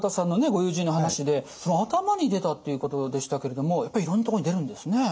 ご友人の話で頭に出たっていうことでしたけれどもやっぱりいろんなところに出るんですね。